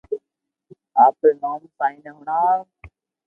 آپري نوم سائين ني ھڻاو